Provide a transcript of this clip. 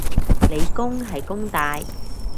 理工係弓大